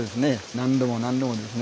何度も何度もですね